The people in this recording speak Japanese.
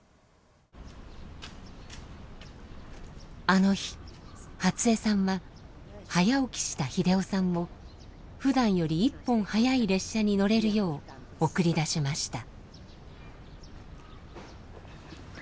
あの日初恵さんは早起きした秀雄さんをふだんより１本早い列車に乗れるよう送り出しました。